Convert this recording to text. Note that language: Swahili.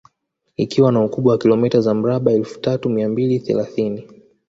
Ikiwa na ukubwa la kilomita za mraba elfu tatu mia mbili thelathini